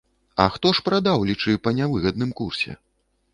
А хто ж прадаў, лічы, па нявыгадным курсе?